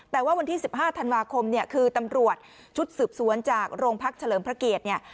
แต่ว่าวันที่๑๕ธันวาคมเนี่ยคือตำรวจชุดสืบสวนจากโรงพักเฉลิมพระเกียรติเนี่ย